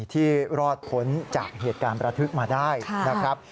ที่รอดพ้นจากเหตุการณ์ประทึกมาได้นะครับ